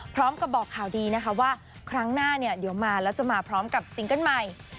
พร้อมกับบอกข่าวดีนะคะว่าครั้งหน้าเนี่ยเดี๋ยวมาแล้วจะมาพร้อมกับซิงเกิ้ลใหม่